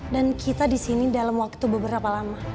dan kita disini dalam waktu beberapa lama